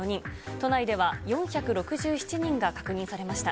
都内では４６７人が確認されました。